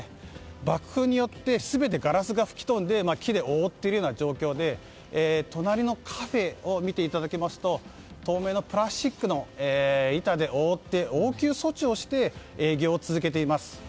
爆風によって全てガラスが吹き飛んで木で覆っているような状況で隣のカフェを見ていただきますと透明のプラスチックの板で覆って応急処置をして営業を続けています。